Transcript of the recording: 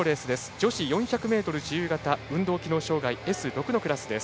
女子４００ｍ自由形運動機能障がいＳ６のクラス。